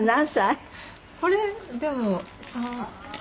これでも３。